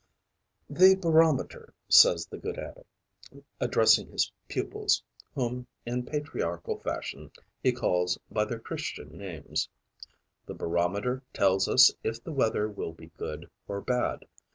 'The barometer,' says the good abbe, addressing his pupils, whom, in patriarchal fashion, he calls by their Christian names, 'the barometer tells us if the weather will be good or bad.